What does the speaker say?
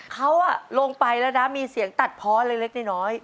เขาลงไปแล้วนะมีเสียงตัดเพาะเล็กน้อย